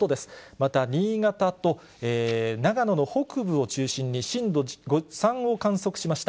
また新潟と長野の北部を中心に震度３を観測しました。